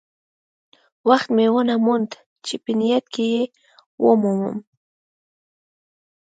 وخت مې ونه موند چې په نیټ کې یې ومومم.